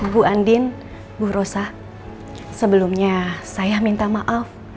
bu andin bu rosa sebelumnya saya minta maaf